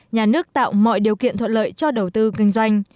nhà nước tạo mọi điều kiện thuận lợi cho đầu tư kinh doanh